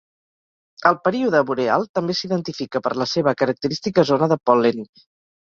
El període boreal també s'identifica per la seva característica zona de pol·len.